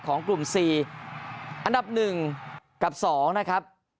ของกลุ่ม๔อันดับ๑กับ๒นะครับ